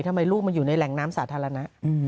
ทำไมลูกมันอยู่ในแหล่งน้ำสาธารณะ